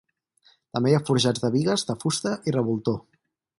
També hi ha forjats de bigues de fusta i revoltó.